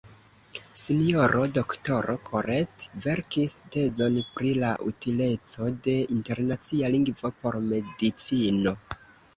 S-ro Doktoro Corret verkis tezon pri la utileco de internacia lingvo por medicino.